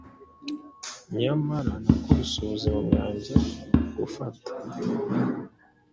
Nyamara nakubise ubuzima bwanjye gufata